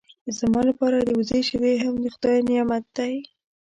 زما لپاره د وزې شیدې هم د خدای نعمت دی.